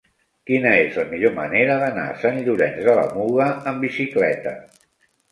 Quina és la millor manera d'anar a Sant Llorenç de la Muga amb bicicleta?